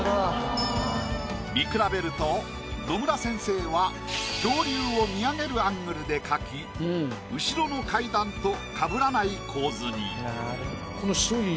見比べると野村先生は恐竜を見上げるアングルで描き後ろの階段とかぶらない構図に。